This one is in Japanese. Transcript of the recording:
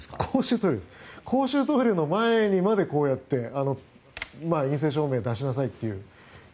公衆トイレの前にまでこうやって陰性証明を出しなさいという。